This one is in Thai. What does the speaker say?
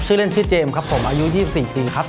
ชื่อเล่นชื่อเจมส์ครับผมอายุ๒๔ปีครับ